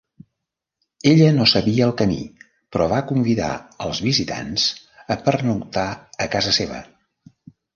Ella no sabia el camí, però va convidar els visitants a pernoctar a casa seva.